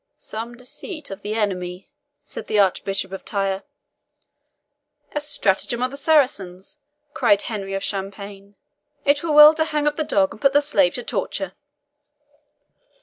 "Some deceit of the Enemy," said the Archbishop of Tyre. "A stratagem of the Saracens," cried Henry of Champagne. "It were well to hang up the dog, and put the slave to the torture."